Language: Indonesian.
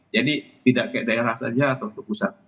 jadi tidak kayak daerah saja atau ke pusat